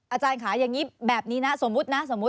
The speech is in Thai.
อาจารย์ค่ะอย่างนี้แบบนี้นะสมมุตินะสมมุติ